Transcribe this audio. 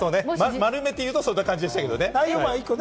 丸めていうと、そういう感じでしたけどね。